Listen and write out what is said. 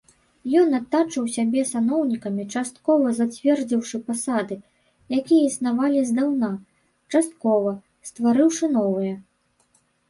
Ён атачыў сябе саноўнікамі, часткова, зацвердзіўшы пасады, якія існавалі здаўна, часткова, стварыўшы новыя.